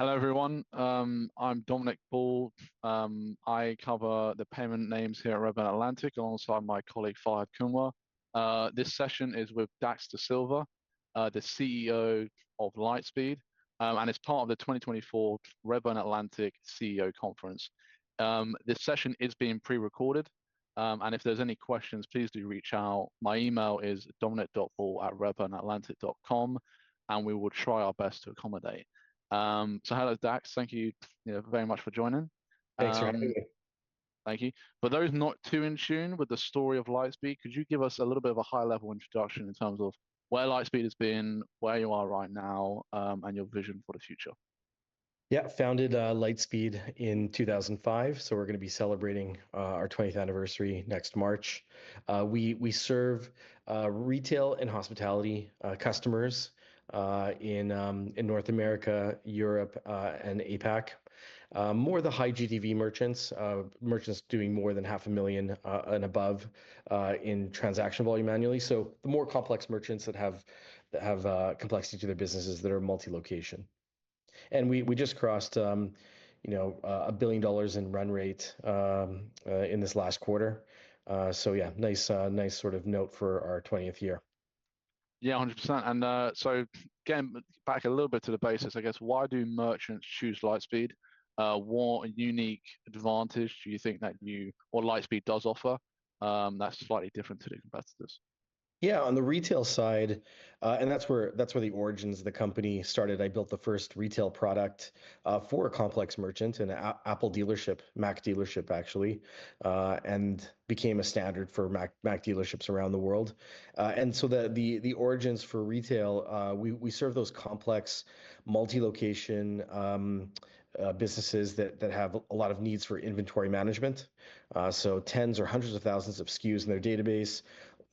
Hello, everyone. I'm Dominic Ball. I cover the payment names here at Redburn Atlantic alongside my colleague, Fahed Kunwar. This session is with Dax Dasilva, the CEO of Lightspeed, and it's part of the 2024 Redburn Atlantic CEO Conference. This session is being pre-recorded, and if there's any questions, please do reach out. My email is dominic.ball@redburnatlantic.com, and we will try our best to accommodate. So hello, Dax. Thank you very much for joining. Thanks for having me. Thank you. For those not too in tune with the story of Lightspeed, could you give us a little bit of a high-level introduction in terms of where Lightspeed has been, where you are right now, and your vision for the future? Yeah, founded Lightspeed in 2005, so we're going to be celebrating our 20th anniversary next March. We serve retail and hospitality customers in North America, Europe, and APAC, more of the high GTV merchants, merchants doing more than $500,000 and above in transaction volume annually. So the more complex merchants that have complexity to their businesses that are multi-location. And we just crossed $1 billion in run rate in this last quarter. So yeah, nice sort of note for our 20th year. Yeah, 100%. And so again, back a little bit to the basis, I guess, why do merchants choose Lightspeed? What unique advantage do you think that you or Lightspeed does offer that's slightly different to the competitors? Yeah, on the retail side, and that's where the origins of the company started. I built the first retail product for a complex merchant, an Apple dealership, Mac dealership, actually, and became a standard for Mac dealerships around the world, and so the origins for retail, we serve those complex multi-location businesses that have a lot of needs for inventory management, so tens or hundreds of thousands of SKUs in their database,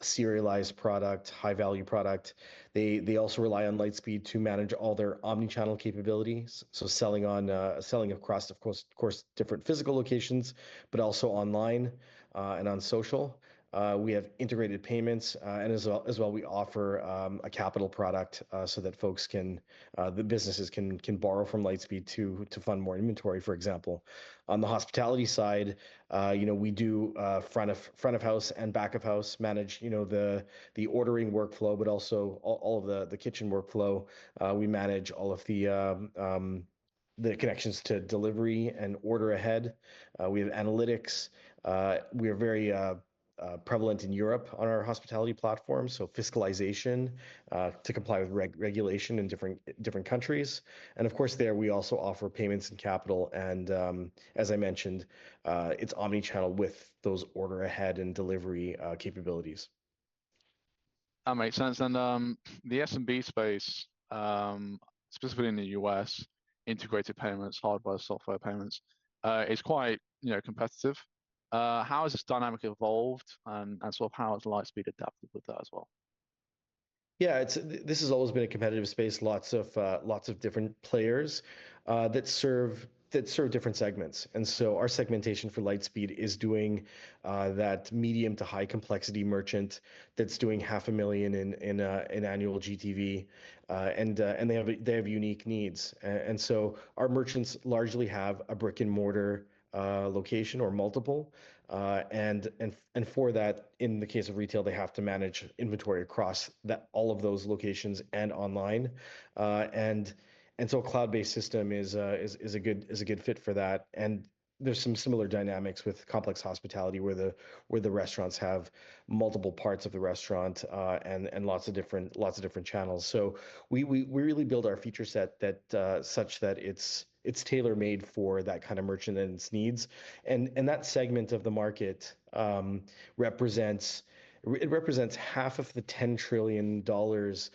serialized product, high-value product. They also rely on Lightspeed to manage all their omnichannel capabilities, so selling across, of course, different physical locations, but also online and on social. We have integrated payments, and as well, we offer a capital product so that folks can, the businesses can borrow from Lightspeed to fund more inventory, for example. On the hospitality side, we do front of house and back of house, manage the ordering workflow, but also all of the kitchen workflow. We manage all of the connections to delivery and order ahead. We have analytics. We are very prevalent in Europe on our hospitality platform, so fiscalization to comply with regulation in different countries, and of course, there we also offer payments and capital, and as I mentioned, it's omnichannel with those order ahead and delivery capabilities. That makes sense. And the SMB space, specifically in the U.S., integrated payments, hardware software payments, is quite competitive. How has this dynamic evolved and sort of how has Lightspeed adapted with that as well? Yeah, this has always been a competitive space. Lots of different players that serve different segments. And so our segmentation for Lightspeed is doing that medium to high complexity merchant that's doing $500,000 in annual GTV. And they have unique needs. And so our merchants largely have a brick-and-mortar location or multiple. And for that, in the case of retail, they have to manage inventory across all of those locations and online. And so a cloud-based system is a good fit for that. And there's some similar dynamics with complex hospitality where the restaurants have multiple parts of the restaurant and lots of different channels. So we really build our feature set such that it's tailor-made for that kind of merchant and its needs. And that segment of the market represents half of the $10 trillion that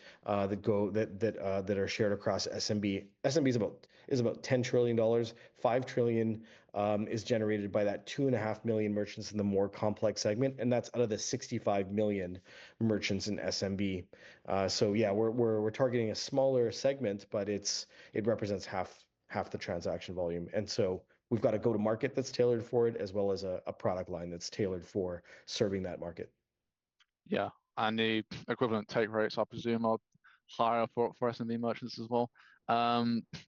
are shared across SMB. SMB is about $10 trillion. $5 trillion is generated by that 2.5 million merchants in the more complex segment, and that's out of the 65 million merchants in SMB, so yeah, we're targeting a smaller segment, but it represents half the transaction volume, and so we've got a go-to-market that's tailored for it as well as a product line that's tailored for serving that market. Yeah, and the equivalent take rates, I presume, are higher for SMB merchants as well.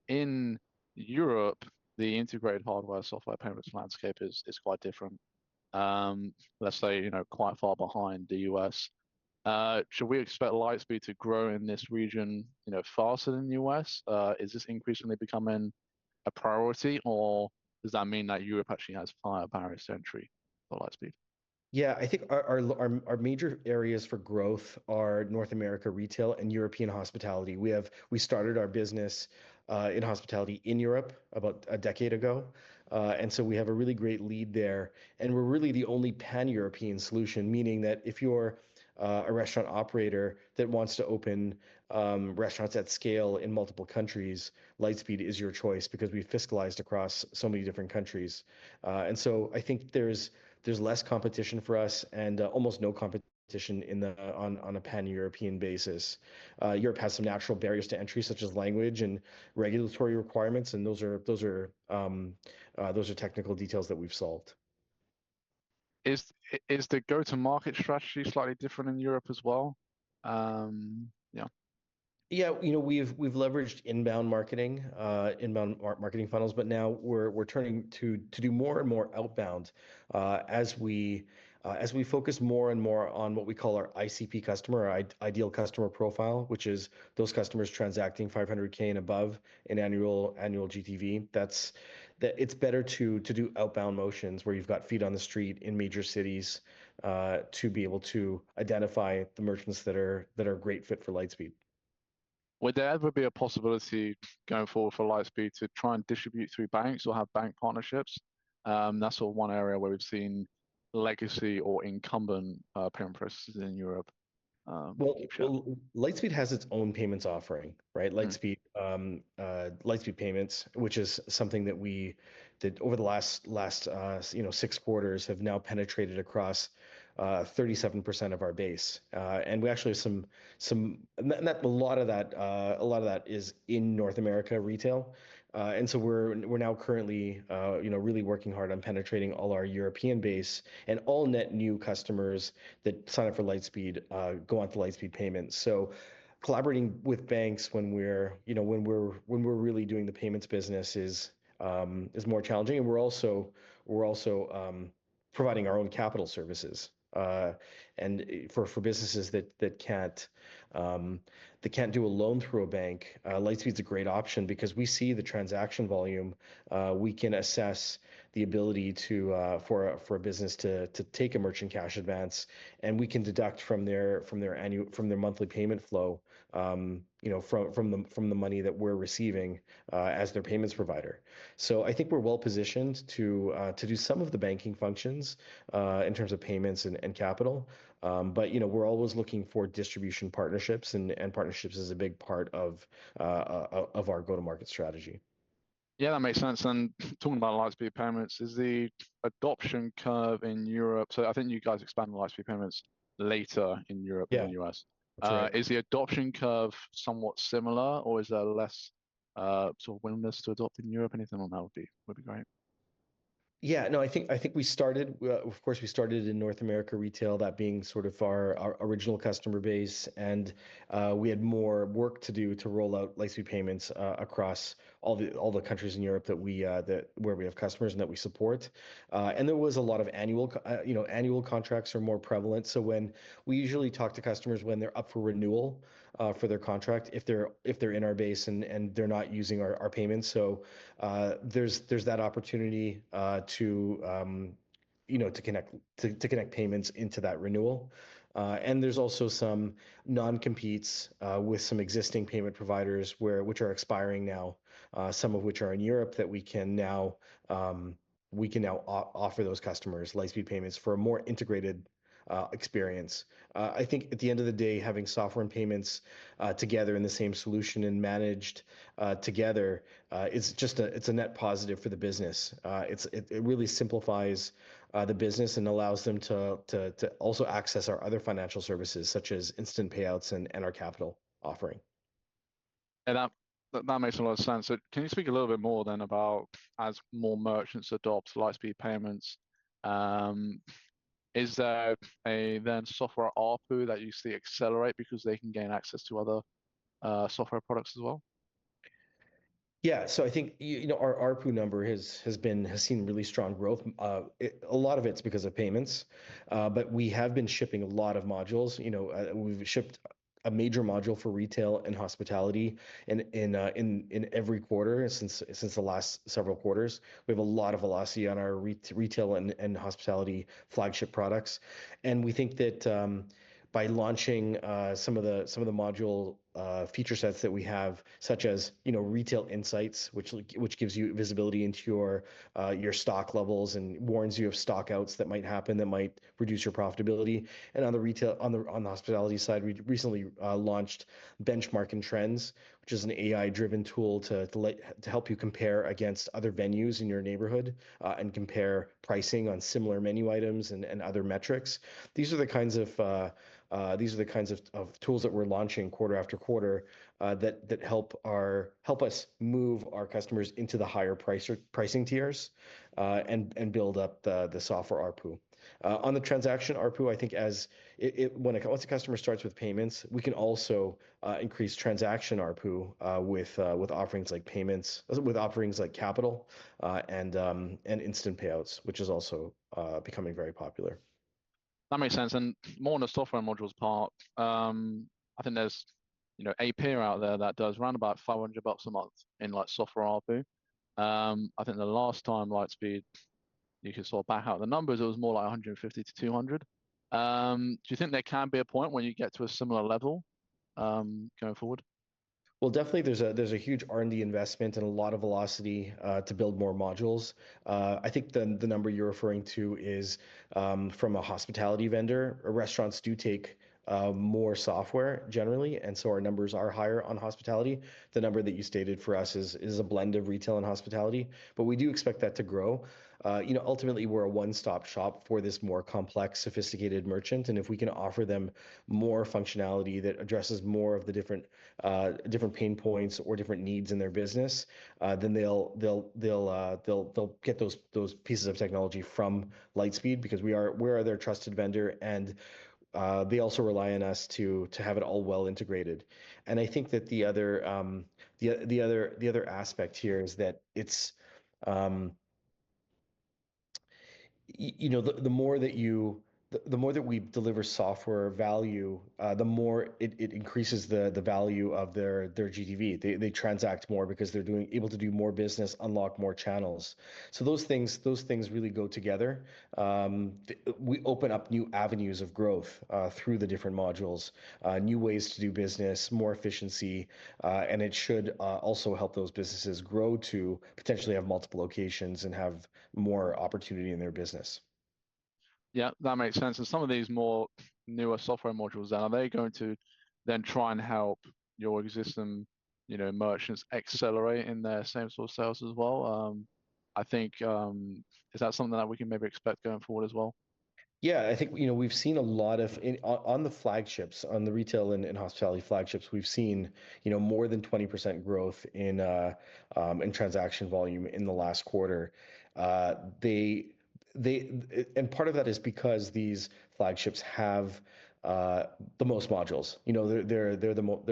In Europe, the integrated hardware software payments landscape is quite different. Let's say quite far behind the U.S. Should we expect Lightspeed to grow in this region faster than the U.S.? Is this increasingly becoming a priority, or does that mean that Europe actually has higher barriers to entry for Lightspeed? Yeah, I think our major areas for growth are North America retail and European hospitality. We started our business in hospitality in Europe about a decade ago. And so we have a really great lead there. And we're really the only pan-European solution, meaning that if you're a restaurant operator that wants to open restaurants at scale in multiple countries, Lightspeed is your choice because we've fiscalized across so many different countries. And so I think there's less competition for us and almost no competition on a pan-European basis. Europe has some natural barriers to entry such as language and regulatory requirements, and those are technical details that we've solved. Is the go-to-market strategy slightly different in Europe as well? Yeah. Yeah, you know we've leveraged inbound marketing, inbound marketing funnels, but now we're turning to do more and more outbound as we focus more and more on what we call our ICP customer, our Ideal Customer Profile, which is those customers transacting 500K and above in annual GTV. It's better to do outbound motions where you've got feet on the street in major cities to be able to identify the merchants that are a great fit for Lightspeed. Would there ever be a possibility going forward for Lightspeed to try and distribute through banks or have bank partnerships? That's one area where we've seen legacy or incumbent payment processes in Europe. Lightspeed has its own payments offering, right? Lightspeed Payments, which is something that we did over the last six quarters, have now penetrated across 37% of our base. And we actually have some, not a lot of that. A lot of that is in North America retail. And so we're now currently really working hard on penetrating all our European base and all net new customers that sign up for Lightspeed go on to Lightspeed Payments. So collaborating with banks when we're really doing the payments business is more challenging. And we're also providing our own capital services. And for businesses that can't do a loan through a bank, Lightspeed's a great option because we see the transaction volume. We can assess the ability for a business to take a merchant cash advance, and we can deduct from their monthly payment flow from the money that we're receiving as their payments provider. So I think we're well positioned to do some of the banking functions in terms of payments and capital. But we're always looking for distribution partnerships, and partnerships is a big part of our go-to-market strategy. Yeah, that makes sense, and talking about Lightspeed Payments, is the adoption curve in Europe, so I think you guys expand Lightspeed Payments later in Europe than the U.S., is the adoption curve somewhat similar, or is there less sort of willingness to adopt in Europe? Anything on that would be great. Yeah, no, I think we started, of course, we started in North America retail, that being sort of our original customer base. And we had more work to do to roll out Lightspeed Payments across all the countries in Europe where we have customers and that we support. And there was a lot of annual contracts that are more prevalent. So when we usually talk to customers when they're up for renewal for their contract, if they're in our base and they're not using our payments, so there's that opportunity to connect payments into that renewal. And there's also some non-competes with some existing payment providers which are expiring now, some of which are in Europe, that we can now offer those customers Lightspeed Payments for a more integrated experience. I think at the end of the day, having software and payments together in the same solution and managed together, it's a net positive for the business. It really simplifies the business and allows them to also access our other financial services, such as instant payouts and our capital offering. That makes a lot of sense. So can you speak a little bit more, then, about as more merchants adopt Lightspeed Payments? Is there, then, software ARPU that you see accelerate because they can gain access to other software products as well? Yeah, so I think our ARPU number has seen really strong growth. A lot of it's because of payments. But we have been shipping a lot of modules. We've shipped a major module for retail and hospitality in every quarter since the last several quarters. We have a lot of velocity on our retail and hospitality flagship products. And we think that by launching some of the module feature sets that we have, such as Retail Insights, which gives you visibility into your stock levels and warns you of stockouts that might happen that might reduce your profitability. And on the hospitality side, we recently launched Benchmark and Trends, which is an AI-driven tool to help you compare against other venues in your neighborhood and compare pricing on similar menu items and other metrics. These are the kinds of tools that we're launching quarter after quarter that help us move our customers into the higher pricing tiers and build up the software ARPU. On the transaction ARPU, I think once a customer starts with payments, we can also increase transaction ARPU with offerings like capital and instant payouts, which is also becoming very popular. That makes sense. And more on the software modules part, I think there's a peer out there that does around about $500 a month in software ARPU. I think the last time Lightspeed, you can sort of back out the numbers, it was more like $150-$200. Do you think there can be a point when you get to a similar level going forward? Definitely there's a huge R&D investment and a lot of velocity to build more modules. I think the number you're referring to is from a hospitality vendor. Restaurants do take more software generally, and so our numbers are higher on hospitality. The number that you stated for us is a blend of retail and hospitality, but we do expect that to grow. Ultimately, we're a one-stop shop for this more complex, sophisticated merchant, and if we can offer them more functionality that addresses more of the different pain points or different needs in their business, then they'll get those pieces of technology from Lightspeed because we are their trusted vendor, and they also rely on us to have it all well integrated, and I think that the other aspect here is that the more that we deliver software value, the more it increases the value of their GTV. They transact more because they're able to do more business, unlock more channels. So those things really go together. We open up new avenues of growth through the different modules, new ways to do business, more efficiency, and it should also help those businesses grow to potentially have multiple locations and have more opportunity in their business. Yeah, that makes sense, and some of these more newer software modules, are they going to then try and help your existing merchants accelerate in their same sort of sales as well? I think, is that something that we can maybe expect going forward as well? Yeah, I think we've seen a lot going on the flagships, on the retail and hospitality flagships. We've seen more than 20% growth in transaction volume in the last quarter, and part of that is because these flagships have the most modules. They're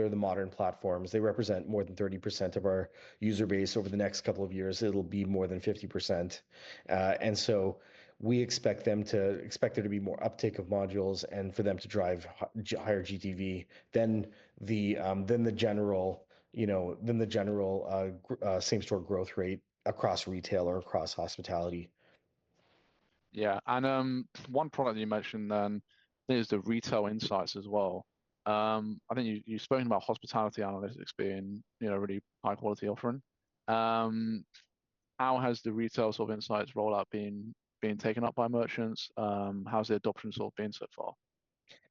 the modern platforms. They represent more than 30% of our user base over the next couple of years. It'll be more than 50%, and so we expect there to be more uptake of modules and for them to drive higher GTV than the general same-store growth rate across retail or across hospitality. Yeah, and one product you mentioned then is the Retail Insights as well. I think you spoke about hospitality analytics being a really high-quality offering. How has the retail sort of insights rollout been taken up by merchants? How's the adoption sort of been so far?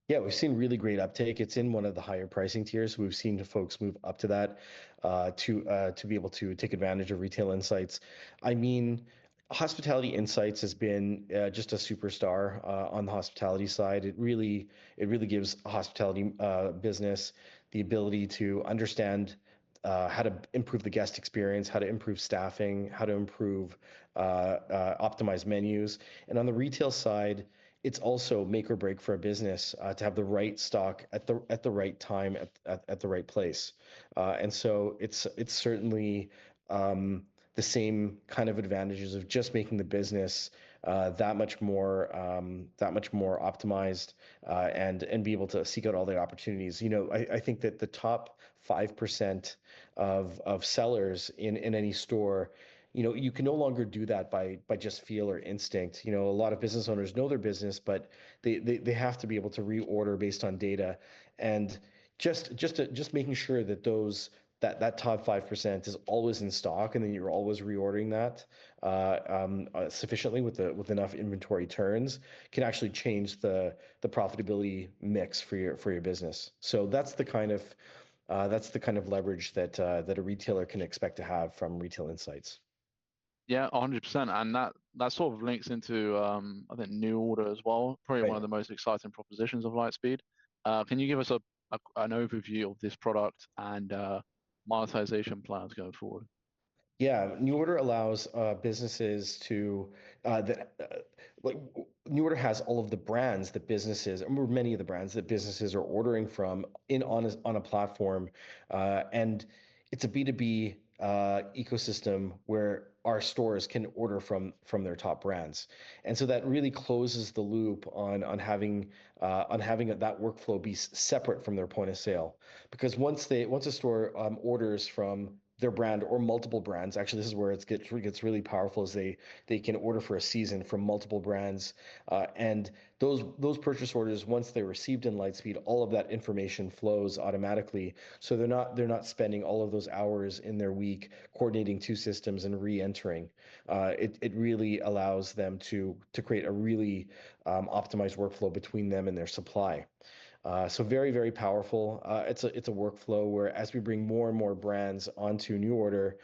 Yeah, we've seen really great uptake. It's in one of the higher pricing tiers. We've seen folks move up to that to be able to take advantage of Retail Insights. I mean, hospitality insights has been just a superstar on the hospitality side. It really gives hospitality business the ability to understand how to improve the guest experience, how to improve staffing, how to optimize menus. And on the retail side, it's also make or break for a business to have the right stock at the right time at the right place. And so it's certainly the same kind of advantages of just making the business that much more optimized and be able to seek out all the opportunities. I think that the top 5% of sellers in any store, you can no longer do that by just feel or instinct. A lot of business owners know their business, but they have to be able to reorder based on data. And just making sure that that top 5% is always in stock and that you're always reordering that sufficiently with enough inventory turns can actually change the profitability mix for your business. So that's the kind of leverage that a retailer can expect to have from Retail Insights. Yeah, 100%. And that sort of links into, I think, NuORDER as well, probably one of the most exciting propositions of Lightspeed. Can you give us an overview of this product and monetization plans going forward? Yeah, NuORDER has all of the brands, the businesses, many of the brands that businesses are ordering from on a platform, and it's a B2B ecosystem where our stores can order from their top brands, and so that really closes the loop on having that workflow be separate from their point of sale. Because once a store orders from their brand or multiple brands, actually, this is where it gets really powerful, is they can order for a season from multiple brands, and those purchase orders, once they're received in Lightspeed, all of that information flows automatically, so they're not spending all of those hours in their week coordinating two systems and re-entering. It really allows them to create a really optimized workflow between them and their supply, so very, very powerful. It's a workflow where, as we bring more and more brands onto NuORDER,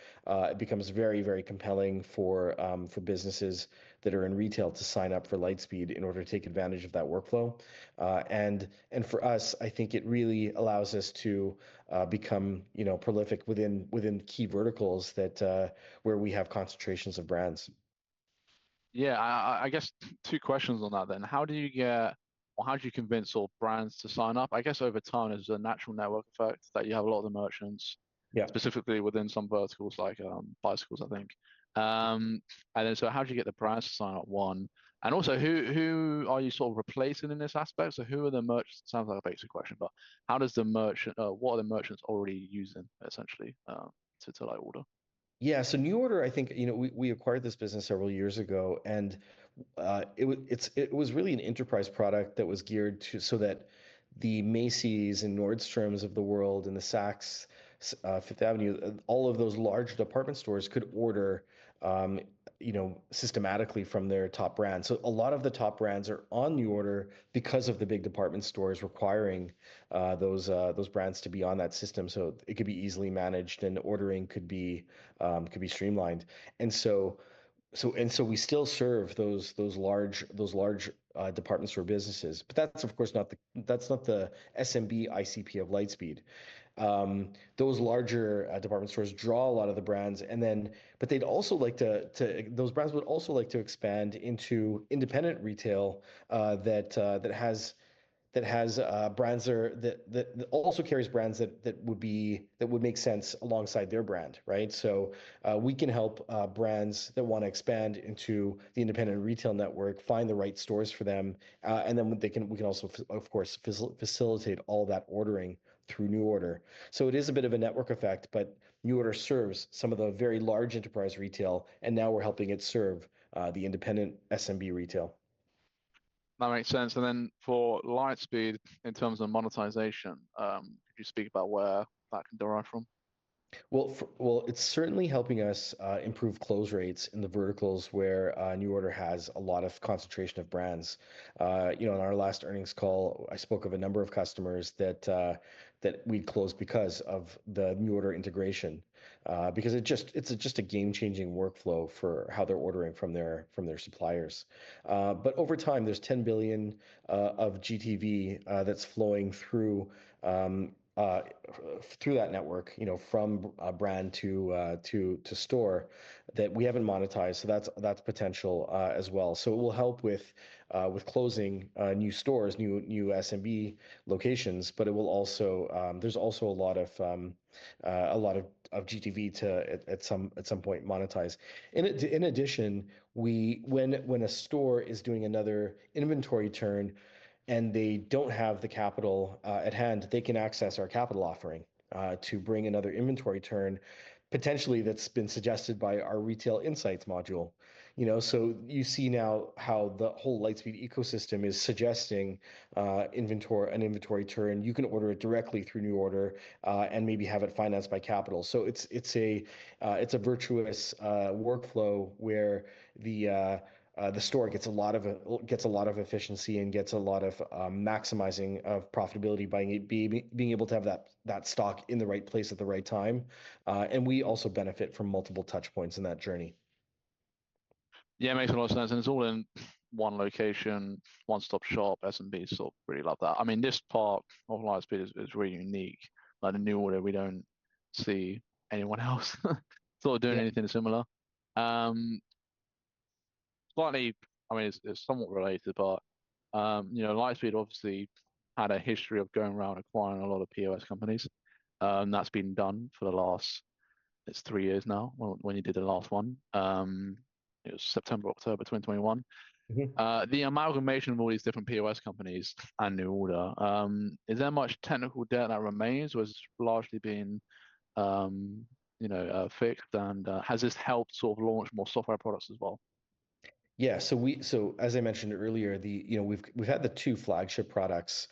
it becomes very, very compelling for businesses that are in retail to sign up for Lightspeed in order to take advantage of that workflow, and for us, I think it really allows us to become prolific within key verticals where we have concentrations of brands. Yeah, I guess two questions on that then. How do you convince all brands to sign up? I guess over time is the natural network effect that you have a lot of the merchants, specifically within some verticals like bicycles, I think. And then so how do you get the brands to sign up, one? And also, who are you sort of replacing in this aspect? So who are the merchants? Sounds like a basic question, but how does the merchant—what are the merchants already using, essentially, to order? Yeah, so NuORDER, I think we acquired this business several years ago. It was really an enterprise product that was geared so that the Macy's and Nordstrom of the world and the Saks Fifth Avenue, all of those large department stores could order systematically from their top brands. So a lot of the top brands are on NuORDER because of the big department stores requiring those brands to be on that system. So it could be easily managed, and ordering could be streamlined. We still serve those large department store businesses. But that's, of course, not the SMB ICP of Lightspeed. Those larger department stores draw a lot of the brands, but they'd also like to—those brands would also like to expand into independent retail that has brands that also carries brands that would make sense alongside their brand, right? So we can help brands that want to expand into the independent retail network find the right stores for them. And then we can also, of course, facilitate all that ordering through NuORDER. So it is a bit of a network effect, but NuORDER serves some of the very large enterprise retail, and now we're helping it serve the independent SMB retail. That makes sense. And then for Lightspeed, in terms of monetization, could you speak about where that can derive from? It's certainly helping us improve close rates in the verticals where NuORDER has a lot of concentration of brands. On our last earnings call, I spoke of a number of customers that we closed because of the NuORDER integration, because it's just a game-changing workflow for how they're ordering from their suppliers. Over time, there's 10 billion of GTV that's flowing through that network from brand to store that we haven't monetized. That's potential as well. It will help with closing new stores, new SMB locations, but there's also a lot of GTV to, at some point, monetize. In addition, when a store is doing another inventory turn and they don't have the capital at hand, they can access our capital offering to bring another inventory turn, potentially that's been suggested by our Retail Insights module. You see now how the whole Lightspeed ecosystem is suggesting an inventory turn. You can order it directly through NuORDER and maybe have it financed by Lightspeed Capital. It's a virtuous workflow where the store gets a lot of efficiency and gets a lot of maximizing of profitability by being able to have that stock in the right place at the right time. We also benefit from multiple touchpoints in that journey. Yeah, makes a lot of sense. And it's all in one location, one-stop shop. SMBs sort of really love that. I mean, this part of Lightspeed is really unique. Like the NuORDER, we don't see anyone else sort of doing anything similar. Slightly, I mean, it's somewhat related, but Lightspeed obviously had a history of going around acquiring a lot of POS companies. That's been done for the last. It's three years now when you did the last one. It was September, October 2021. The amalgamation of all these different POS companies and NuORDER, is there much technical debt that remains? Was largely being fixed? And has this helped sort of launch more software products as well? Yeah, so as I mentioned earlier, we've had the two flagship products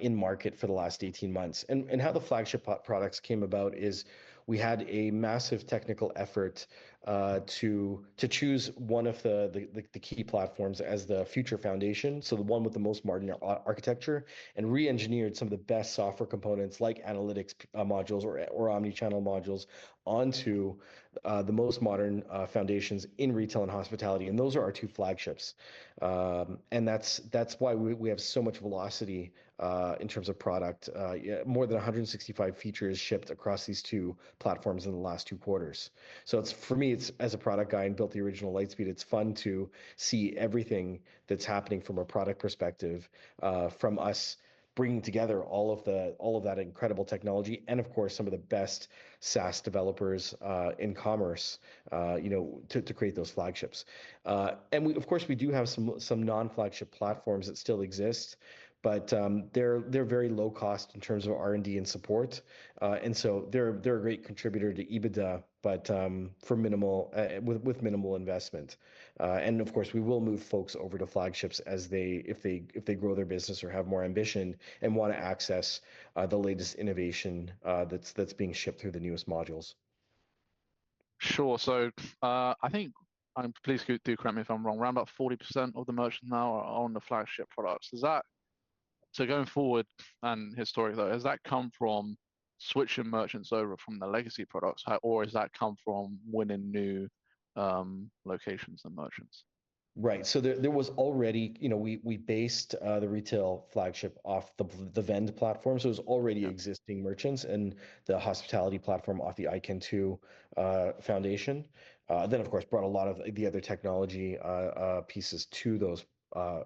in market for the last 18 months. And how the flagship products came about is we had a massive technical effort to choose one of the key platforms as the future foundation, so the one with the most modern architecture, and re-engineered some of the best software components like analytics modules or omnichannel modules onto the most modern foundations in retail and hospitality. And those are our two flagships. And that's why we have so much velocity in terms of product. More than 165 features shipped across these two platforms in the last two quarters. For me, as a product guy and built the original Lightspeed, it's fun to see everything that's happening from a product perspective, from us bringing together all of that incredible technology, and of course, some of the best SaaS developers in commerce to create those flagships. Of course, we do have some non-flagship platforms that still exist, but they're very low-cost in terms of R&D and support. So they're a great contributor to EBITDA, but with minimal investment. Of course, we will move folks over to flagships if they grow their business or have more ambition and want to access the latest innovation that's being shipped through the newest modules. Sure. So I think please correct me if I'm wrong. Around about 40% of the merchants now are on the flagship products. So going forward and historically, has that come from switching merchants over from the legacy products, or has that come from winning new locations and merchants? Right. So there was already, we based the retail flagship off the Vend platform. So it was already existing merchants and the hospitality platform off the iKentoo foundation. Then, of course, brought a lot of the other technology pieces to those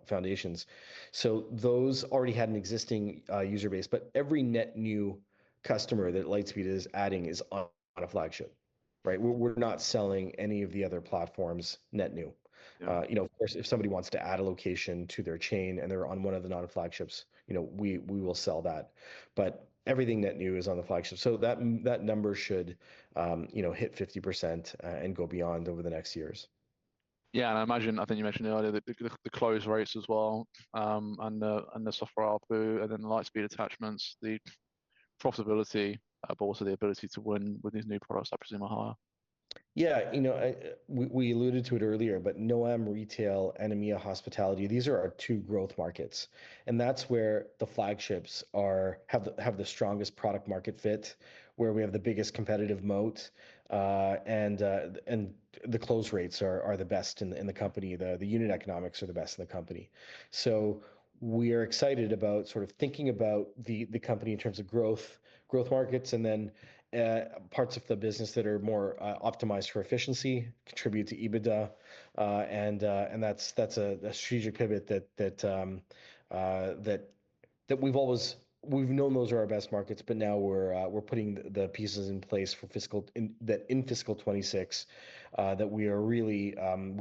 foundations. So those already had an existing user base, but every net new customer that Lightspeed is adding is on a flagship, right? We're not selling any of the other platforms net new. Of course, if somebody wants to add a location to their chain and they're on one of the non-flagships, we will sell that. But everything net new is on the flagship. So that number should hit 50% and go beyond over the next years. Yeah, and I imagine. I think you mentioned earlier the close rates as well and the software output and then the Lightspeed attachments, the profitability, but also the ability to win with these new products, I presume, are higher. Yeah, we alluded to it earlier, but NA retail and EMEA hospitality, these are our two growth markets. That's where the flagships have the strongest product-market fit, where we have the biggest competitive moat, and the close rates are the best in the company. The unit economics are the best in the company. We are excited about sort of thinking about the company in terms of growth markets and then parts of the business that are more optimized for efficiency, contribute to EBITDA. That's a strategic pivot that we've known those are our best markets, but now we're putting the pieces in place in fiscal 2026 that we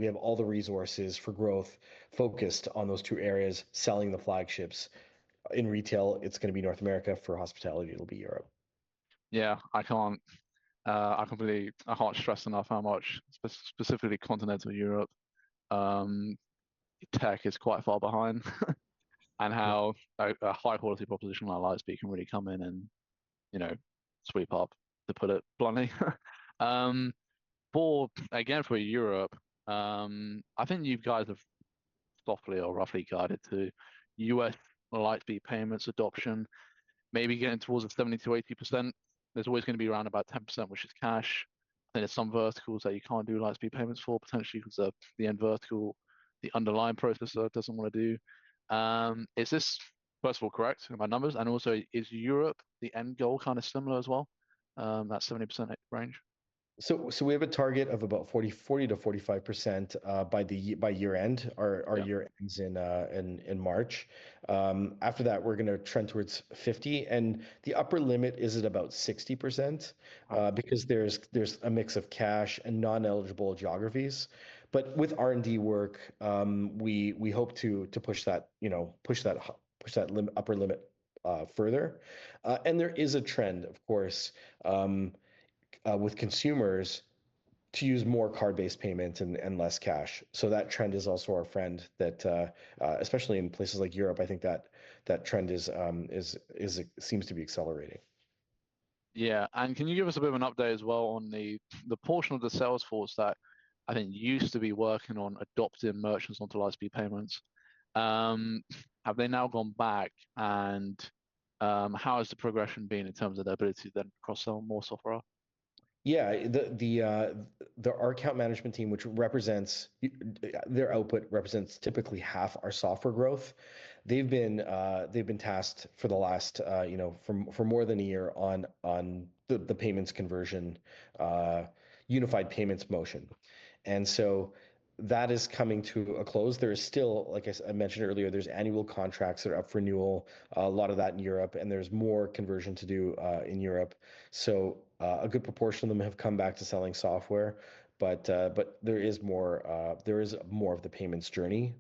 have all the resources for growth focused on those two areas, selling the flagships. In retail, it's going to be North America. For hospitality, it'll be Europe. Yeah, I can't really. I can't stress enough how much specifically continental Europe tech is quite far behind and how a high-quality proposition like Lightspeed can really come in and sweep up, to put it bluntly. But again, for Europe, I think you guys have softly or roughly guided to U.S. Lightspeed Payments adoption, maybe getting towards a 70%-80%. There's always going to be around about 10%, which is cash. And there's some verticals that you can't do Lightspeed Payments for, potentially, because the end vertical, the underlying processor doesn't want to do. Is this, first of all, correct in my numbers? And also, is Europe, the end goal, kind of similar as well, that 70% range? So we have a target of about 40%-45% by year-end, our year-end ends in March. After that, we're going to trend towards 50%. And the upper limit is at about 60% because there's a mix of cash and non-eligible geographies. But with R&D work, we hope to push that upper limit further. And there is a trend, of course, with consumers to use more card-based payments and less cash. So that trend is also our friend, especially in places like Europe. I think that trend seems to be accelerating. Yeah. And can you give us a bit of an update as well on the portion of the sales force that I think used to be working on adopting merchants onto Lightspeed Payments? Have they now gone back? And how has the progression been in terms of their ability to then cross-sell more software? Yeah. The R-account management team, which their output represents typically half our software growth, they've been tasked for the last, for more than a year, on the payments conversion, unified payments motion. And so that is coming to a close. There is still, like I mentioned earlier, there's annual contracts that are up for renewal, a lot of that in Europe, and there's more conversion to do in Europe. So a good proportion of them have come back to selling software, but there is more of the payments journey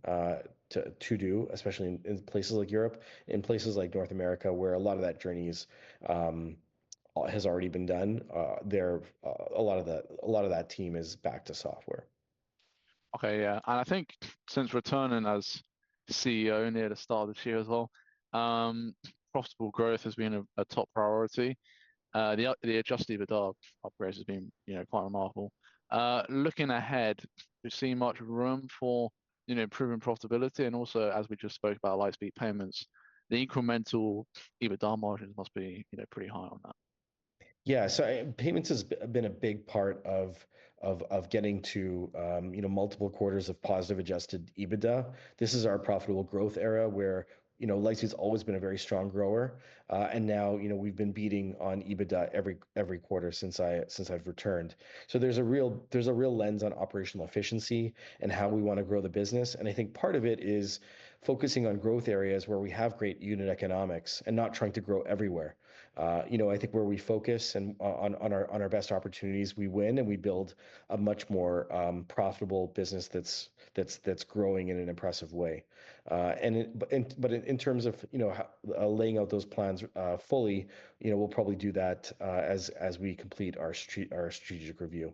to do, especially in places like Europe, in places like North America where a lot of that journey has already been done. A lot of that team is back to software. Okay. Yeah. And I think since returning as CEO near the start of the year as well, profitable growth has been a top priority. The adjusted EBITDA upgrade has been quite remarkable. Looking ahead, we've seen much room for improving profitability. And also, as we just spoke about Lightspeed Payments, the incremental EBITDA margins must be pretty high on that. Yeah. So payments has been a big part of getting to multiple quarters of positive adjusted EBITDA. This is our profitable growth era where Lightspeed's always been a very strong grower. And now we've been beating on EBITDA every quarter since I've returned. So there's a real lens on operational efficiency and how we want to grow the business. And I think part of it is focusing on growth areas where we have great unit economics and not trying to grow everywhere. I think where we focus on our best opportunities, we win and we build a much more profitable business that's growing in an impressive way. But in terms of laying out those plans fully, we'll probably do that as we complete our strategic review.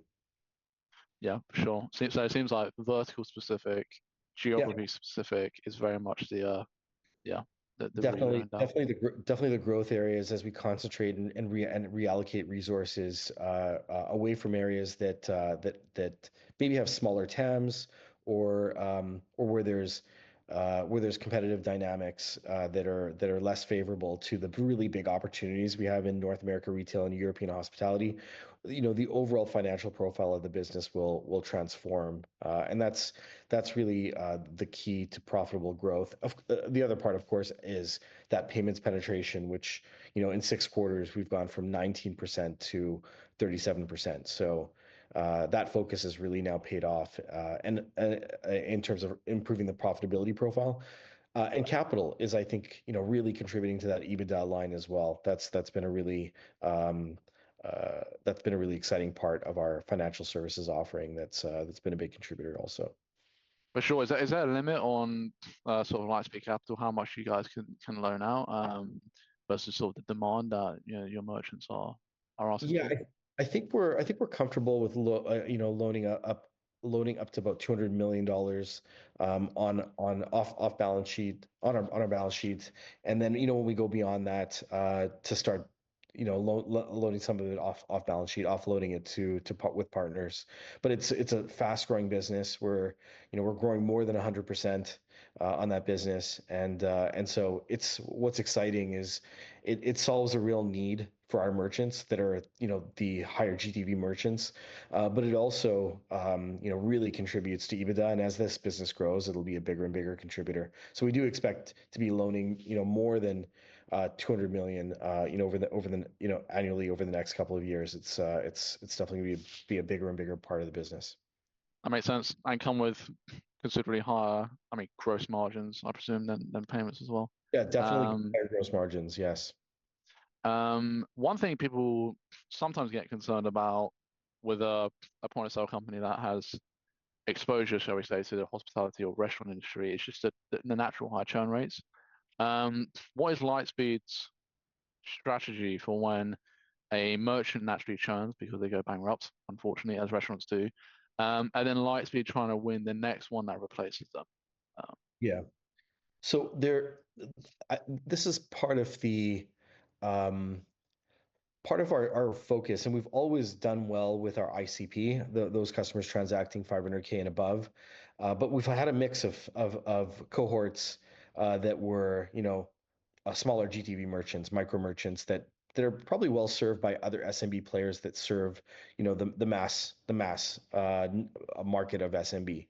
Yeah, for sure. So it seems like vertical-specific, geography-specific is very much the. Definitely the growth areas as we concentrate and reallocate resources away from areas that maybe have smaller TAMs or where there's competitive dynamics that are less favorable to the really big opportunities we have in North America retail and European hospitality. The overall financial profile of the business will transform, and that's really the key to profitable growth. The other part, of course, is that payments penetration, which in six quarters, we've gone from 19% to 37%. So that focus has really now paid off in terms of improving the profitability profile, and capital is, I think, really contributing to that EBITDA line as well. That's been a really exciting part of our financial services offering that's been a big contributor also. For sure. Is there a limit on sort of Lightspeed Capital, how much you guys can loan out versus sort of the demand that your merchants are asking? Yeah. I think we're comfortable with loaning up to about $200 million off balance sheet on our balance sheets. And then when we go beyond that to start loading some of it off balance sheet, offloading it with partners. But it's a fast-growing business. We're growing more than 100% on that business. And so what's exciting is it solves a real need for our merchants that are the higher GTV merchants, but it also really contributes to EBITDA. And as this business grows, it'll be a bigger and bigger contributor. So we do expect to be loaning more than $200 million annually over the next couple of years. It's definitely going to be a bigger and bigger part of the business. That makes sense and come with considerably higher, I mean, gross margins, I presume, than payments as well. Yeah, definitely higher gross margins, yes. One thing people sometimes get concerned about with a point-of-sale company that has exposure, shall we say, to the hospitality or restaurant industry is just the natural high churn rates. What is Lightspeed's strategy for when a merchant naturally churns because they go bankrupt, unfortunately, as restaurants do, and then Lightspeed trying to win the next one that replaces them? Yeah. So this is part of our focus. And we've always done well with our ICP, those customers transacting $500K and above. But we've had a mix of cohorts that were smaller GTV merchants, micro merchants that are probably well served by other SMB players that serve the mass market of SMB.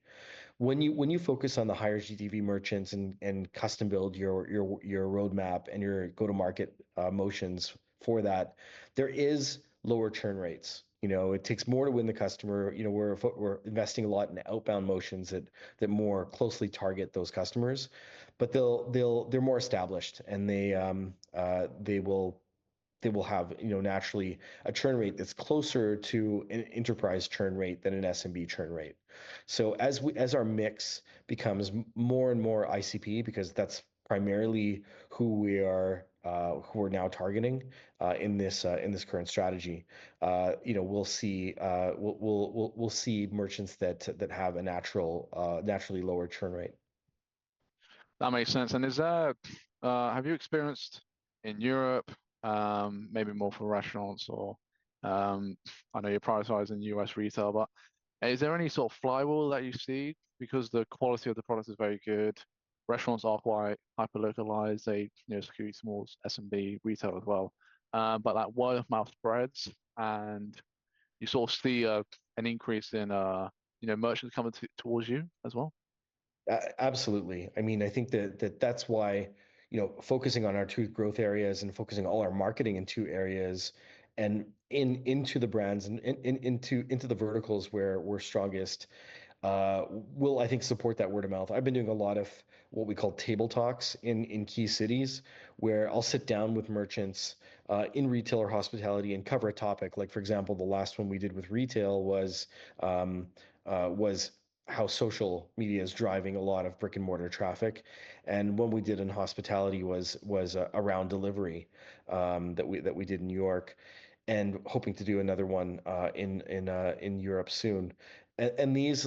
When you focus on the higher GTV merchants and custom build your roadmap and your go-to-market motions for that, there are lower churn rates. It takes more to win the customer. We're investing a lot in outbound motions that more closely target those customers. But they're more established, and they will have naturally a churn rate that's closer to an enterprise churn rate than an SMB churn rate. So as our mix becomes more and more ICP, because that's primarily who we are now targeting in this current strategy, we'll see merchants that have a naturally lower churn rate. That makes sense, and have you experienced in Europe, maybe more for restaurants or I know you're prioritizing U.S. retail, but is there any sort of flywheel that you see? Because the quality of the product is very good. Restaurants are quite hyper-localized. They secure small SMB retail as well, but that word-of-mouth spreads, and you sort of see an increase in merchants coming towards you as well? Absolutely. I mean, I think that that's why focusing on our two growth areas and focusing all our marketing in two areas and into the brands and into the verticals where we're strongest will, I think, support that word-of-mouth. I've been doing a lot of what we call Table Talks in key cities where I'll sit down with merchants in retail or hospitality and cover a topic. Like, for example, the last one we did with retail was how social media is driving a lot of brick-and-mortar traffic. And what we did in hospitality was a roundtable that we did in New York and hoping to do another one in Europe soon. And these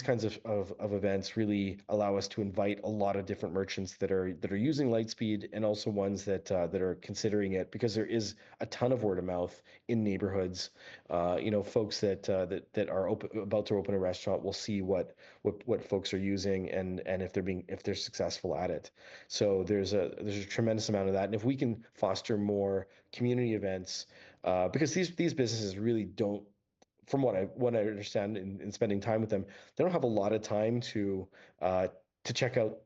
kinds of events really allow us to invite a lot of different merchants that are using Lightspeed and also ones that are considering it because there is a ton of word-of-mouth in neighborhoods. Folks that are about to open a restaurant will see what folks are using and if they're successful at it. So there's a tremendous amount of that. And if we can foster more community events because these businesses really don't, from what I understand in spending time with them, they don't have a lot of time to check out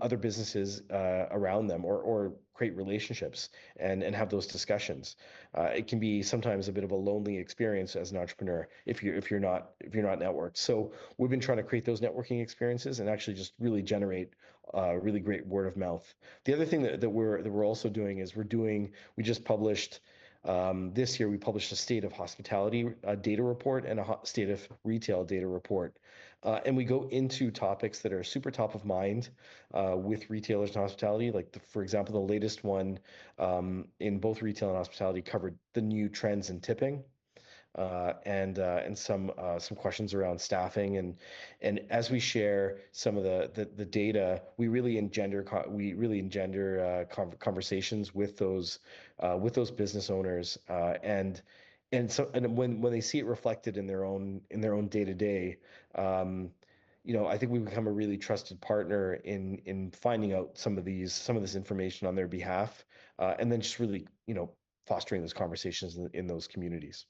other businesses around them or create relationships and have those discussions. It can be sometimes a bit of a lonely experience as an entrepreneur if you're not networked. So we've been trying to create those networking experiences and actually just really generate really great word-of-mouth. The other thing that we're also doing is, we just published this year a State of Hospitality Data Report and a State of Retail Data Report. And we go into topics that are super top of mind with retailers and hospitality. For example, the latest one in both retail and hospitality covered the new trends in tipping and some questions around staffing. And as we share some of the data, we really engender conversations with those business owners. And when they see it reflected in their own day-to-day, I think we become a really trusted partner in finding out some of this information on their behalf and then just really fostering those conversations in those communities.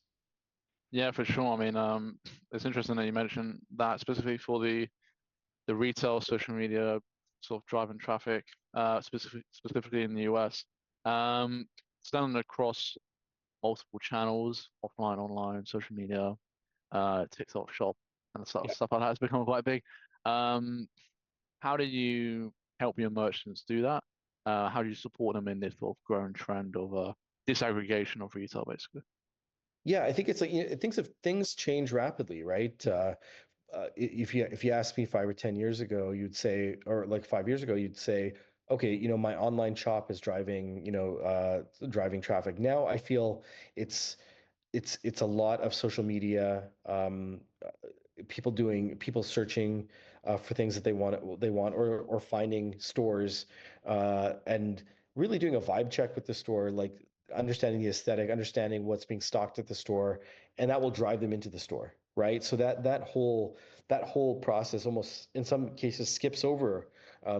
Yeah, for sure. I mean, it's interesting that you mentioned that specifically for the retail social media sort of driving traffic, specifically in the U.S. It's done across multiple channels, offline, online, social media, TikTok Shop, and stuff like that. It's become quite big. How do you help your merchants do that? How do you support them in this sort of growing trend of disaggregation of retail, basically? Yeah, I think things change rapidly, right? If you asked me five or 10 years ago, you'd say, or like five years ago, you'd say, "Okay, my online shop is driving traffic." Now I feel it's a lot of social media, people searching for things that they want or finding stores and really doing a vibe check with the store, understanding the aesthetic, understanding what's being stocked at the store. And that will drive them into the store, right? So that whole process almost in some cases skips over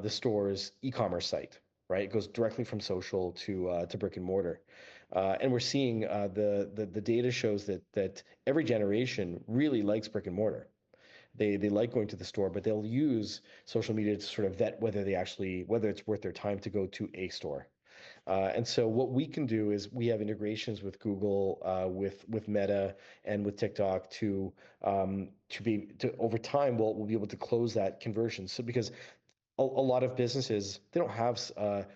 the store's e-commerce site, right? It goes directly from social to brick-and-mortar. And we're seeing the data shows that every generation really likes brick-and-mortar. They like going to the store, but they'll use social media to sort of vet whether it's worth their time to go to a store. What we can do is we have integrations with Google, with Meta, and with TikTok. Over time, we'll be able to close that conversion. Because a lot of businesses, they don't have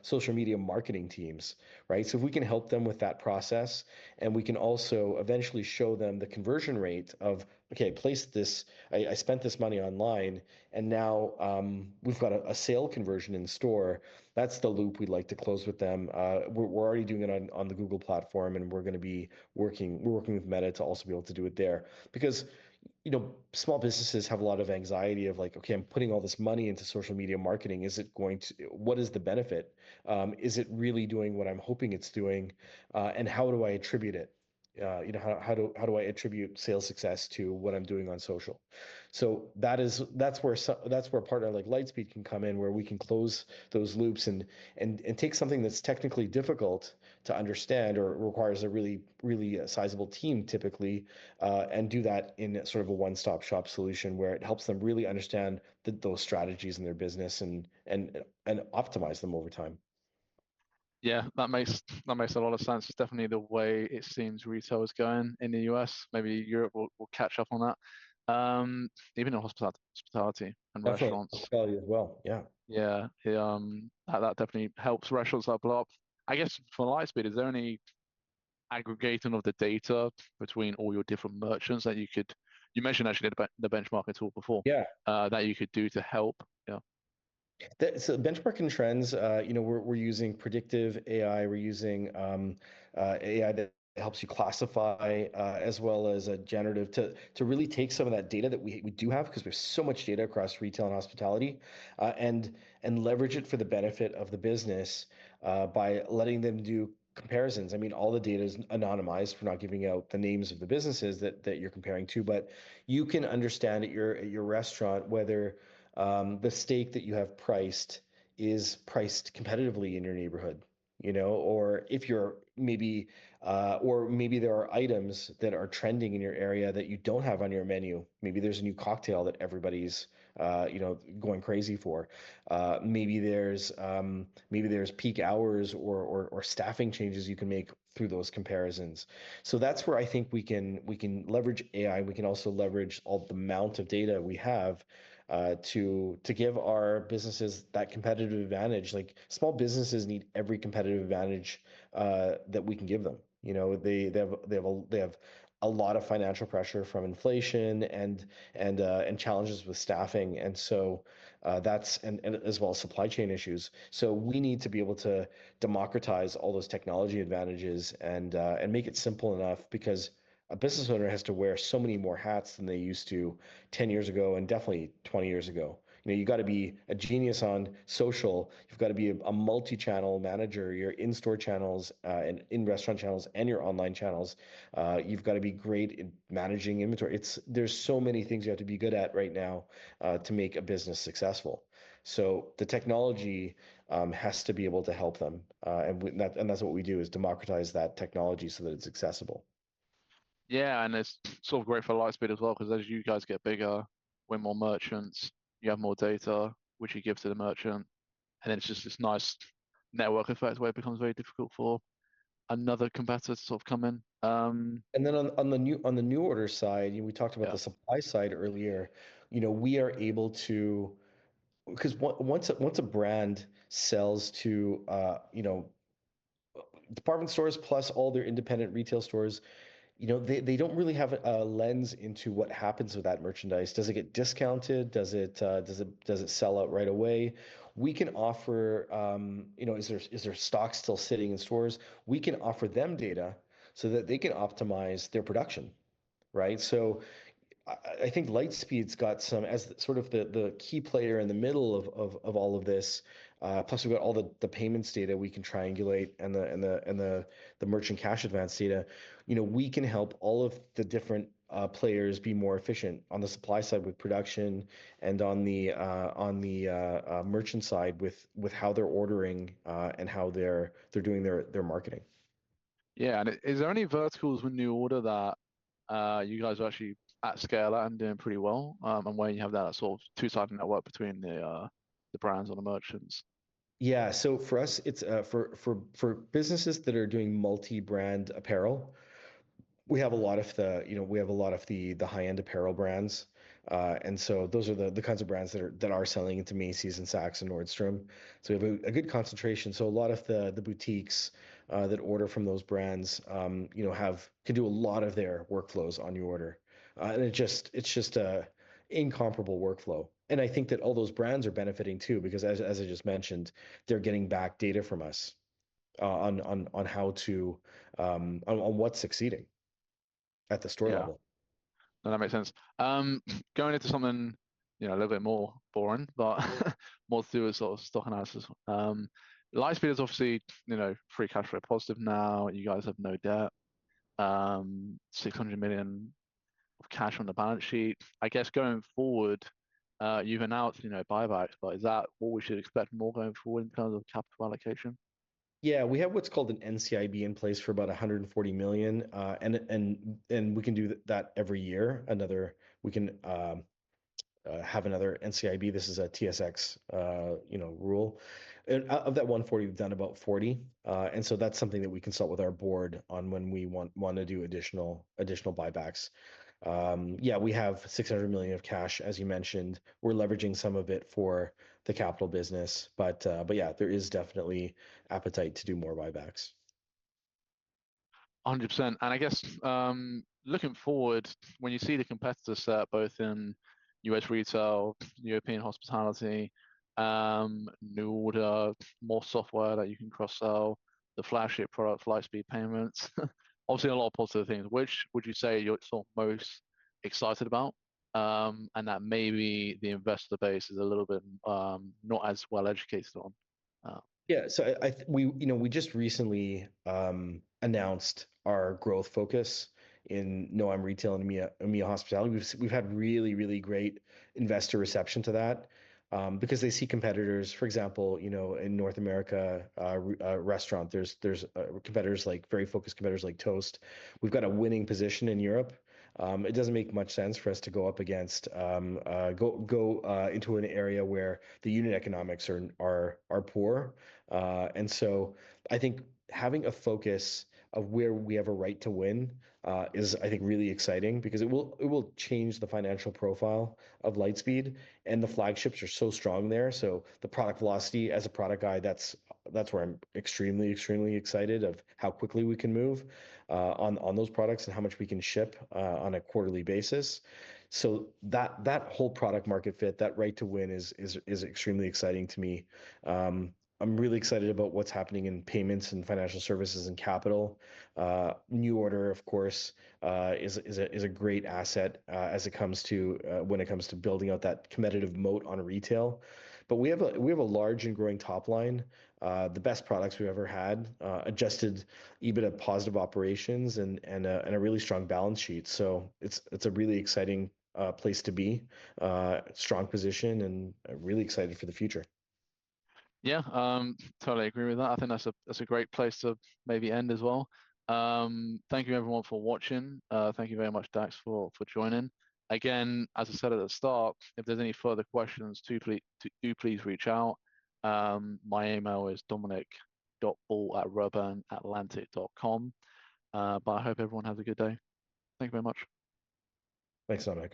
social media marketing teams, right? If we can help them with that process, and we can also eventually show them the conversion rate of, "Okay, I spent this money online, and now we've got a sale conversion in store." That's the loop we'd like to close with them. We're already doing it on the Google platform, and we're going to be working with Meta to also be able to do it there. Because small businesses have a lot of anxiety of like, "Okay, I'm putting all this money into social media marketing. What is the benefit? Is it really doing what I'm hoping it's doing? And how do I attribute it? How do I attribute sales success to what I'm doing on social?" So that's where a partner like Lightspeed can come in, where we can close those loops and take something that's technically difficult to understand or requires a really sizable team, typically, and do that in sort of a one-stop shop solution where it helps them really understand those strategies in their business and optimize them over time. Yeah, that makes a lot of sense. It's definitely the way it seems retail is going in the U.S. Maybe Europe will catch up on that, even in hospitality and restaurants. Hospitality as well, yeah. Yeah. That definitely helps restaurants up a lot. I guess for Lightspeed, is there any aggregating of the data between all your different merchants that you could? You mentioned actually the benchmarking tool before that you could do to help? Yeah. Benchmark and Trends, we're using predictive AI. We're using AI that helps you classify as well as a generative to really take some of that data that we do have because we have so much data across retail and hospitality and leverage it for the benefit of the business by letting them do comparisons. I mean, all the data is anonymized. We're not giving out the names of the businesses that you're comparing to. But you can understand at your restaurant whether the steak that you have priced is priced competitively in your neighborhood. Or maybe there are items that are trending in your area that you don't have on your menu. Maybe there's a new cocktail that everybody's going crazy for. Maybe there's peak hours or staffing changes you can make through those comparisons. That's where I think we can leverage AI. We can also leverage all the amount of data we have to give our businesses that competitive advantage. Small businesses need every competitive advantage that we can give them. They have a lot of financial pressure from inflation and challenges with staffing, and so that's, as well as supply chain issues, so we need to be able to democratize all those technology advantages and make it simple enough because a business owner has to wear so many more hats than they used to 10 years ago and definitely 20 years ago. You've got to be a genius on social. You've got to be a multi-channel manager. Your in-store channels and in-restaurant channels and your online channels. You've got to be great at managing inventory. There's so many things you have to be good at right now to make a business successful. So the technology has to be able to help them. And that's what we do is democratize that technology so that it's accessible. Yeah, and it's sort of great for Lightspeed as well because as you guys get bigger, way more merchants, you have more data, which you give to the merchant, and it's just this nice network effect where it becomes very difficult for another competitor to sort of come in. And then on the NuORDER side, we talked about the supply side earlier. We are able to because once a brand sells to department stores plus all their independent retail stores, they don't really have a lens into what happens with that merchandise. Does it get discounted? Does it sell out right away? We can offer, is there stock still sitting in stores? We can offer them data so that they can optimize their production, right? So I think Lightspeed's got some, as sort of the key player in the middle of all of this. Plus, we've got all the payments data we can triangulate and the merchant cash advance data. We can help all of the different players be more efficient on the supply side with production and on the merchant side with how they're ordering and how they're doing their marketing. Yeah. And is there any verticals with NuORDER that you guys are actually at scale and doing pretty well? And when you have that sort of two-sided network between the brands and the merchants? Yeah. For us, for businesses that are doing multi-brand apparel, we have a lot of the high-end apparel brands. Those are the kinds of brands that are selling it to Macy's and Saks and Nordstrom. We have a good concentration. A lot of the boutiques that order from those brands can do a lot of their workflows on NuORDER. It's just an incomparable workflow. I think that all those brands are benefiting too because, as I just mentioned, they're getting back data from us on what's succeeding at the store level. Yeah. That makes sense. Going into something a little bit more boring, but more to do with sort of stock analysis. Lightspeed is obviously free cash flow positive now. You guys have no debt. $600 million of cash on the balance sheet. I guess going forward, you've announced buybacks, but is that what we should expect more going forward in terms of capital allocation? Yeah. We have what's called an NCIB in place for about $140 million. And we can do that every year. We can have another NCIB. This is a TSX rule. Of that $140 million, we've done about $40 million. And so that's something that we consult with our board on when we want to do additional buybacks. Yeah, we have $600 million of cash, as you mentioned. We're leveraging some of it for the capital business. But yeah, there is definitely appetite to do more buybacks. 100%. And I guess looking forward, when you see the competitors set up both in U.S. retail, European hospitality, NuORDER, more software that you can cross-sell, the flagship product, Lightspeed Payments, obviously a lot of positive things. Which would you say you're sort of most excited about? And that maybe the investor base is a little bit not as well educated on. Yeah, so we just recently announced our growth focus in North America Retail and EMEA Hospitality. We've had really, really great investor reception to that because they see competitors. For example, in North America restaurant, there's competitors like very focused competitors like Toast. We've got a winning position in Europe. It doesn't make much sense for us to go up against, go into an area where the unit economics are poor, and so I think having a focus of where we have a right to win is, I think, really exciting because it will change the financial profile of Lightspeed. And the flagships are so strong there, so the product velocity as a product guy, that's where I'm extremely, extremely excited of how quickly we can move on those products and how much we can ship on a quarterly basis. So that whole product market fit, that right to win is extremely exciting to me. I'm really excited about what's happening in payments and financial services and capital. NuORDER, of course, is a great asset when it comes to building out that competitive moat on retail. But we have a large and growing top line, the best products we've ever had, adjusted even at positive operations and a really strong balance sheet. So it's a really exciting place to be, a strong position, and really excited for the future. Yeah. Totally agree with that. I think that's a great place to maybe end as well. Thank you, everyone, for watching. Thank you very much, Dax, for joining. Again, as I said at the start, if there's any further questions, do please reach out. My email is dominic.ball@redburnatlantic.com. But I hope everyone has a good day. Thank you very much. Thanks, Dominic.